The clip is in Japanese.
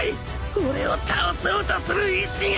俺を倒そうとする意志が！